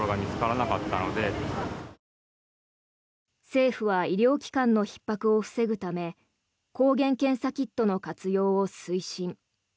政府は医療機関のひっ迫を防ぐため抗原検査キットの活用を推進。